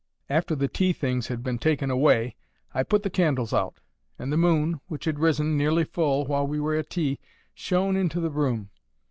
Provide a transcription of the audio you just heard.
After the tea things had been taken away, I put the candles out; and the moon, which had risen, nearly full, while we were at tea, shone into the room.